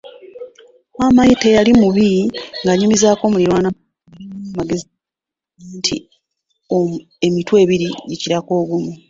Maama teyali mubi ng'anyumizaako muliraanwa basalire wamu amagezi anti emitwe ebiri ogimanyi gikira ogw'omu.